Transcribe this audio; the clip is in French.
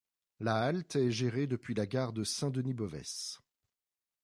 La halte est gérée depuis la gare de Saint-Denis-Bovesse.